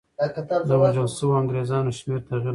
د وژل شویو انګرېزانو شمېر تغییر نه راولي.